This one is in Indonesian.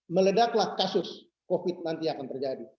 meledaklah kasus covid sembilan belas nanti akan terjadi